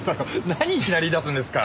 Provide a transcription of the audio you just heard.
何いきなり言い出すんですか。